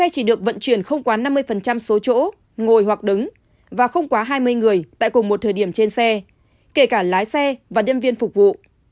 chỉ được vận chuyển không quá năm mươi số chỗ ngồi hoặc đứng và không quá hai mươi người tại cùng một thời điểm trên xe kể cả lái xe và nhân viên phục vụ